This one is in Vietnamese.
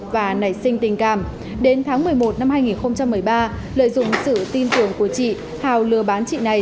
và nảy sinh tình cảm đến tháng một mươi một năm hai nghìn một mươi ba lợi dụng sự tin tưởng của chị thảo lừa bán chị này